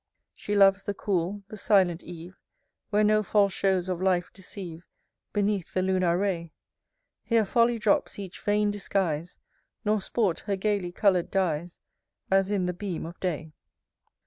III. She loves the cool, the silent eve, Where no false shows of life deceive, Beneath the lunar ray. Here folly drops each vain disguise; Nor sport her gaily colour'd dyes, As in the beam of day.